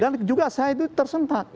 dan juga saya itu tersentak